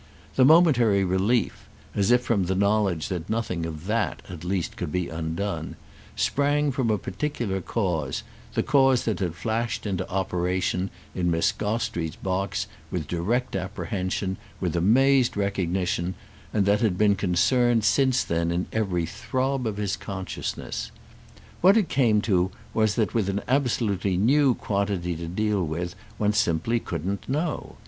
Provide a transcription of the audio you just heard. The momentary relief—as if from the knowledge that nothing of that at least could be undone—sprang from a particular cause, the cause that had flashed into operation, in Miss Gostrey's box, with direct apprehension, with amazed recognition, and that had been concerned since then in every throb of his consciousness. What it came to was that with an absolutely new quantity to deal with one simply couldn't know.